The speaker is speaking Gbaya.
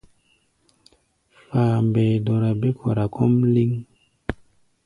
Fambɛɛ dɔra bé-kɔra kɔ́ʼm lɛ́ŋ.